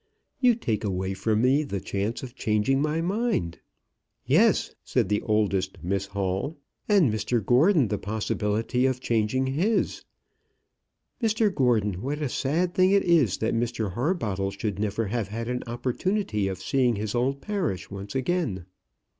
You take away from me the chance of changing my mind." "Yes," said the oldest Miss Hall; "and Mr Gordon the possibility of changing his. Mr Gordon, what a sad thing it is that Mr Harbottle should never have had an opportunity of seeing his old parish once again."